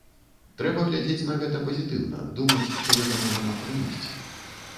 Трэба глядзець на гэта пазітыўна, думаць, што гэта можа нам прынесці.